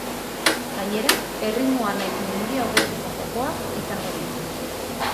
Gainera, erritmoa nahiz memoria hobetzeko jokoak izango ditu.